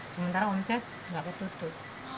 sementara omset nggak ketutup